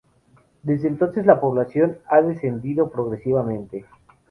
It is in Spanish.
Desde entonces la población ha descendido progresivamente.